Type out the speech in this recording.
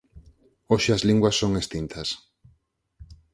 Hoxe as linguas son extintas.